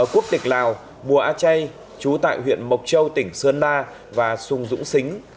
quốc tịch lào mùa á chay trú tại huyện mộc châu tỉnh sơn la và xuân dũng xính